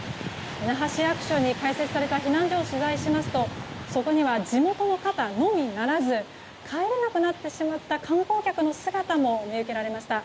那覇市役所に開設された避難所を取材しますとそこには地元の方のみならず帰れなくなってしまった観光客の姿も見受けられました。